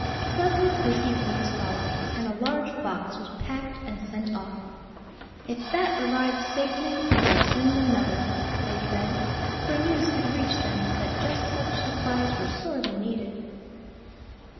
Several busy weeks followed, and a large box was packed and sent off. "If that arrives safely we will send another," they said; for news had reached them that such supplies were sorely needed.